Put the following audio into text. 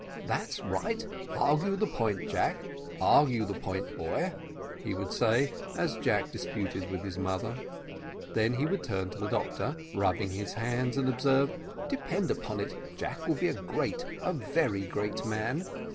"That's right; argue the point, Jack argue the point, boy," would he say, as Jack disputed with his mother. And then he would turn to the doctor, rubbing his hands, and observe, "Depend upon it, Jack will be a great, a very great man."